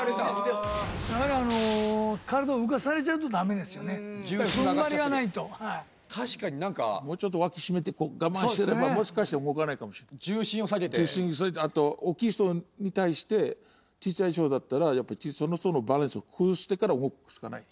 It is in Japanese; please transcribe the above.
やっぱりふんばりがないと確かに何かもうちょっと脇しめて我慢してればもしかして動かないかもしれない重心を下げて重心を下げてあと大きい人に対して小さい人だったらやっぱその人のバランスを崩してから動くしかない